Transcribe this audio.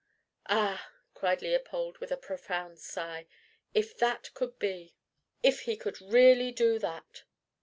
"Ah!" cried Leopold, with a profound sigh, " if that could be! if he could really do that!"